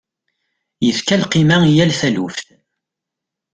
Yefka lqima i yal taluft.